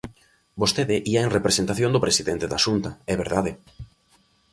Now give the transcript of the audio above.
Vostede ía en representación do presidente da Xunta, é verdade.